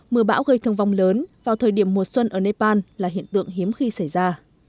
mưa bão gây thương vong lớn vào thời điểm mùa xuân ở nepal là hiện tượng hiếm khi xảy ra